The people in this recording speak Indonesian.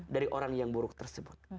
dari orang yang buruk tersebut